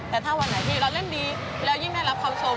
แต่ถ้าวันไหนที่เราเล่นดีแล้วยิ่งได้รับคำชม